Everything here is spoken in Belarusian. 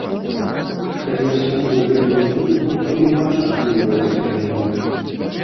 Калі я слухаю дрэнную музыку, то і матч атрымліваецца дрэнным.